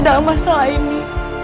dalam masalah ini